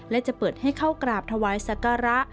และจะเปิดให้เข้ากราบถวายศักระ